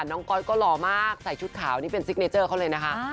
ก๊อตก็หล่อมากใส่ชุดขาวนี่เป็นซิกเนเจอร์เขาเลยนะคะ